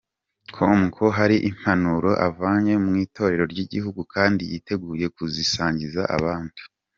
com ko hari impanuro avanye mu itorero ry’igihugu kandi yiteguye kuzisangiza abandi.